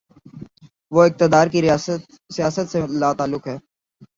وہ اقتدار کی سیاست سے لاتعلق ہے۔